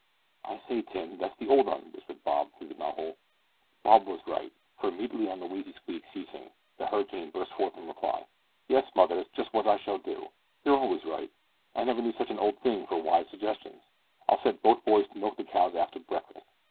"I say, Tim, that's the old 'un," whispered Bob through the knot hole. Bob was right, for immediately on the wheezy squeak ceasing, the hurricane burst forth in reply: "Yes, mother, that's just what I shall do. You're always right. I never knew such an old thing for wise suggestions! I'll set both boys to milk the cows after breakfast.